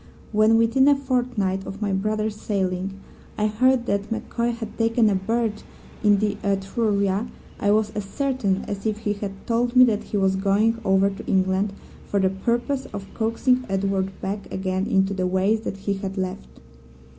When, within a fortnight of my brother's sailing, I heard that MacCoy had taken a berth in the Etruria, I was as certain as if he had told me that he was going over to England for the purpose of coaxing Edward back again into the ways that he had left.